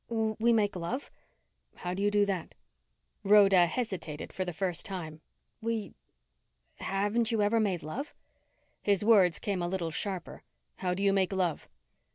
"We make love." "How do you do that?" Rhoda hesitated for the first time. "We haven't you ever made love?" His words came a little sharper. "How do you make love?"